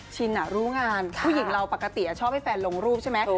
รู้งานผู้หญิงเราปกติชอบให้แฟนลงรูปใช่ไหม